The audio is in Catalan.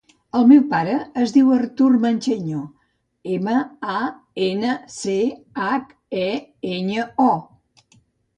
El meu pare es diu Artur Mancheño: ema, a, ena, ce, hac, e, enya, o.